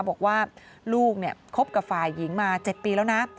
บอกว่าลูกคบกับฝ่ายหญิงมา๗ปีแล้วนะ